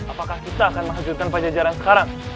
apakah kita akan menghancurkan pajajaran sekarang